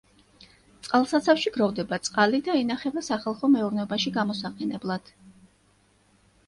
წყალსაცავში გროვდება წყალი და ინახება სახალხო მეურნეობაში გამოსაყენებლად.